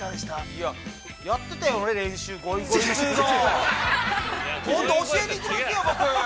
◆いや、やってたよ、ゴイゴイスーの今度教えに行きますよ、僕。